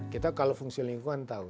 kita kalau fungsi lingkungan tahu